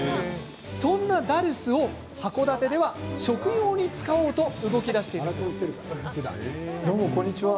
そんなダルスを函館では食用に使おうと動きだしているんです。